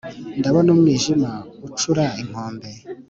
ndabona umwijima ucura inkombe